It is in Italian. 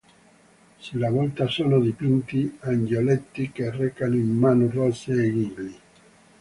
Sulla volta sono dipinti angioletti che recano in mano rose e gigli.